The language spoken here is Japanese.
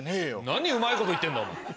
何うまいこと言ってんだお前。